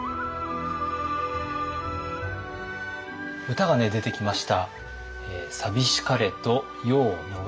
歌がね出てきました。